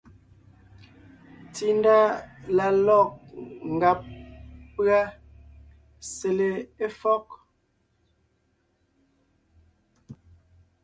Tsindá la lɔ̂g ngàb pʉ́a sele éfɔ́g.